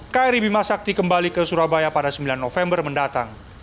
kri bimasakti kembali ke surabaya pada sembilan november mendatang